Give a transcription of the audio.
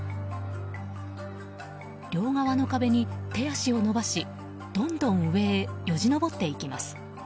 両側の壁に手足を伸ばしどんどん上へよじ登っていきます。